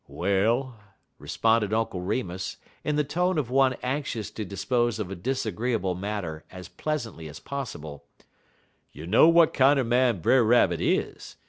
"Well," responded Uncle Remus, in the tone of one anxious to dispose of a disagreeable matter as pleasantly as possible, "you know w'at kinder man Brer Rabbit is.